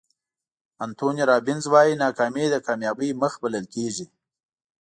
انتوني رابینز وایي ناکامي د کامیابۍ مخ بلل کېږي.